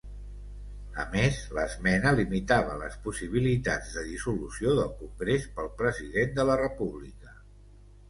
A més, l'esmena limitava les possibilitats de dissolució del Congrés pel President de la República.